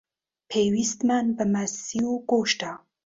پێویستمان بە ماسی و گۆشتە.